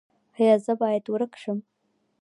ایا زه باید ورک شم؟